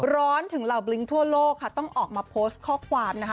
ร้อนถึงเหล่าบลิ้งทั่วโลกค่ะต้องออกมาโพสต์ข้อความนะคะ